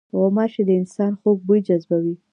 غوماشې د انسان خوږ بوی جذبوي.